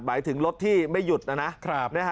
หมายถึงรถที่ไม่หยุดนะนะ